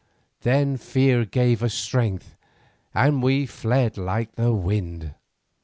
Then fear gave us strength, and we fled like the wind.